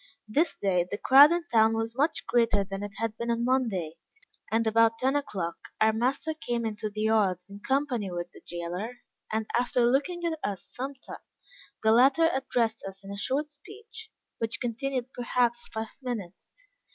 This day the crowd in town was much greater than it had been on Monday; and, about ten o'clock our master came into the yard in company with the jailor, and after looking at us some time, the latter addressed us in a short speech, which continued perhaps five minutes.